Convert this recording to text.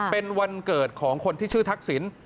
เป็นวันเกิดของคนที่ชื่อทักษิณ